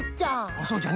おおそうじゃね。